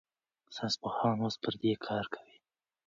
ساینسپوهان اوس پر دې کار کوي.